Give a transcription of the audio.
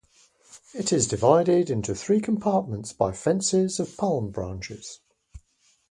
It is divided into three compartments by fences of palm branches.